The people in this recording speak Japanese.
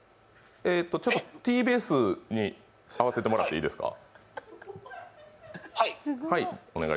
ちょっとＴＢＳに合わせてもらっていいですか？